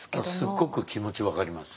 すっごく気持ち分かります。